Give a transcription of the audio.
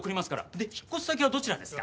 で引っ越し先はどちらですか？